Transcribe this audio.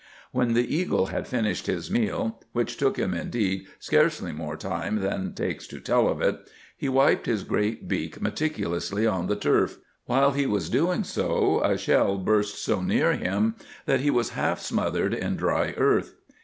When the eagle had finished his meal—which took him, indeed, scarcely more time than takes to tell of it—he wiped his great beak meticulously on the turf. While he was doing so, a shell burst so near him that he was half smothered in dry earth.